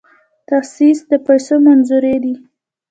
تخصیص د پیسو منظوري ده